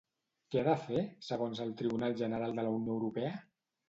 Què ha de fer, segons el Tribunal General de la Unió Europea?